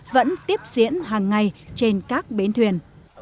vẫn tiếp diễn hàng ngày trên các bến thuyền